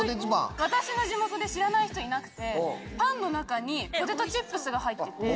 私の地元で知らない人いなくてパンの中にポテトチップスが入ってて。